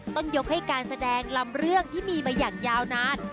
ต้องยกให้การแสดงลำเรื่องที่มีมาอย่างยาวนาน